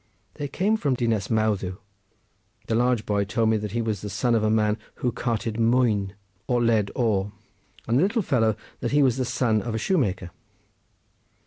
They came from Dinas Mawddwy. The large boy told me that he was the son of a man who carted mwyn, or lead ore, and the little fellow that he was the son of a shoemaker.